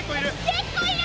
結構いる！